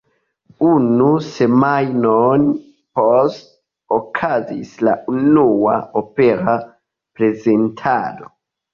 Unu semajnon poste okazis la unua opera prezentado.